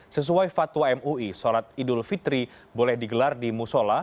sesuai fatwa mui sholat idul fitri boleh digelar di musola